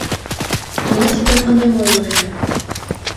Мый тидым ынем ойло ыле.